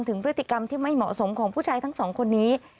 ถึงพฤติกรรมที่ไม่เหมาะสมของผู้ชายทั้งสองคนนี้